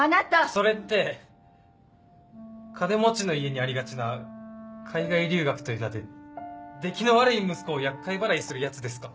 それって金持ちの家にありがちな海外留学という名でできの悪い息子を厄介払いするやつですか？